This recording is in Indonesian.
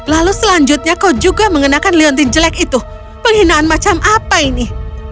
lalu selanjutnya kau juga mengenakan leontin jelek itu penghinaan macam apa ini